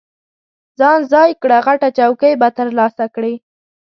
ځان ځای کړه، غټه چوکۍ به ترلاسه کړې.